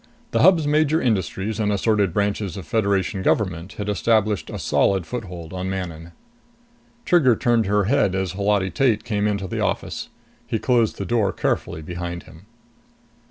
The Hub's major industries and assorted branches of Federation government had established a solid foothold on Manon. Trigger turned her head as Holati Tate came into the office. He closed the door carefully behind him.